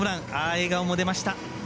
笑顔も出ました。